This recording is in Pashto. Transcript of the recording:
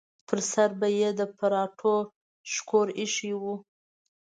پر سر به یې د پراټو شکور ایښی و.